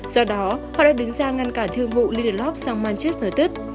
do đó họ đã đứng ra ngăn cả thương vụ lindelof sang manchester united